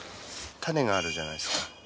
種があるじゃないですか？